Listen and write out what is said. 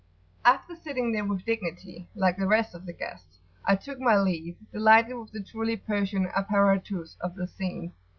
After sitting there with dignity, like the rest of the guests, I took my leave, delighted with the truly Persian [p.88]"apparatus" of the scene.